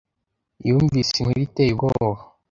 Yumvise inkuru iteye ubwoba.